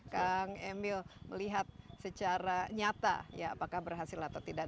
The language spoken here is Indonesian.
kang emil melihat secara nyata ya apakah berhasil atau tidak